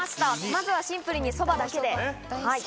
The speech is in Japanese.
まずはシンプルにそばだけで。